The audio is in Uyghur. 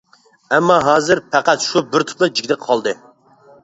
ئەمما ھازىر پەقەت شۇ بىر تۈپلا جىگدە قالدى.